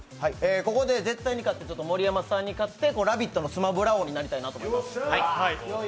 ここで絶対に飼って、盛山さんに勝って「ラヴィット！」の「スマブラ」王になりたいと思います。